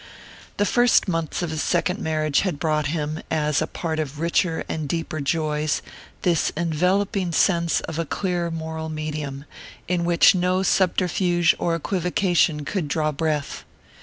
The first months of his second marriage had brought him, as a part of richer and deeper joys, this enveloping sense of a clear moral medium, in which no subterfuge or equivocation could draw breath.